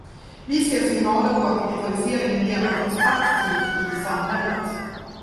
Vi ser signaler på att digitaliseringen genomförs aktivt i samhället.